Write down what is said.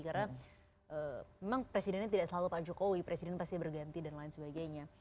karena memang presidennya tidak selalu pak jokowi presiden pasti berganti dan lain sebagainya